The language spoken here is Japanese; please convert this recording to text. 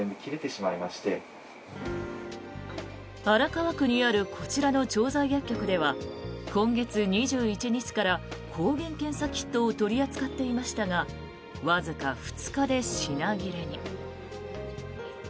荒川区にあるこちらの調剤薬局では今月２１日から抗原検査キットを取り扱っていましたがわずか２日で品切れに。